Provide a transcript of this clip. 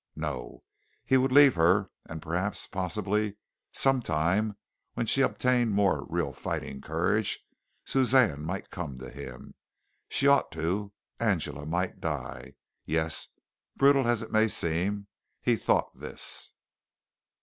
No, he would leave her and perhaps, possibly, sometime when she obtained more real fighting courage, Suzanne might come to him. She ought to. Angela might die. Yes, brutal as it may seem, he thought this.